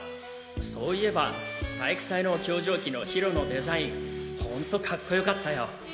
そういえば体育祭の教場旗のヒロのデザインホントカッコよかったよ！